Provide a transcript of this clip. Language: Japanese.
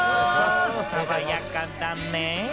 爽やかだね！